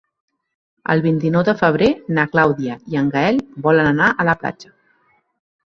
El vint-i-nou de febrer na Clàudia i en Gaël volen anar a la platja.